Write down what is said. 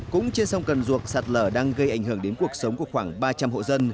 cũng trên sông cần ruộc sạt lở đang gây ảnh hưởng đến cuộc sống của khoảng ba trăm linh hộ dân